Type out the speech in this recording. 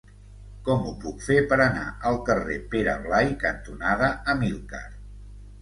Com ho puc fer per anar al carrer Pere Blai cantonada Amílcar?